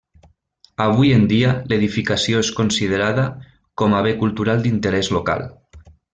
Avui en dia l'edificació és considerada com a bé cultural d'interès local.